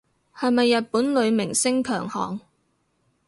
係咪日本女明星強項